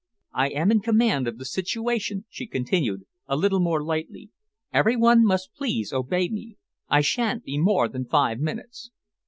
"I am in command of the situation," she continued, a little more lightly. "Every one must please obey me. I shan't be more than five minutes."